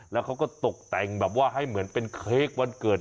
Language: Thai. แล้วเขาก็ตกแต่งแบบว่าให้เหมือนเป็นเค้กวันเกิด